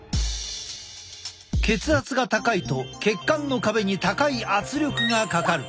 血圧が高いと血管の壁に高い圧力がかかる。